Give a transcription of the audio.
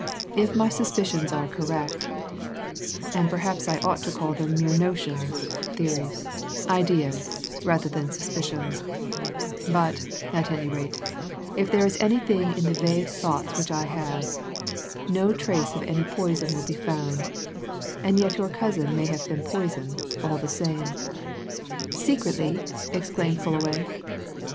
If my suspicions are correct and perhaps I ought to call them mere notions, theories, ideas, rather than suspicions but, at any rate, if there is anything in the vague thoughts which I have, no trace of any poison will be found and yet your cousin may have been poisoned, all the same." "Secretly!" exclaimed Fullaway.